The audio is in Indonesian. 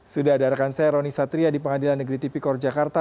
sudah ada rekan saya roni satria di pengadilan negeri tipikor jakarta